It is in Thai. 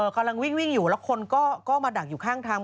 กำลังวิ่งอยู่แล้วคนก็มาดักอยู่ข้างทาง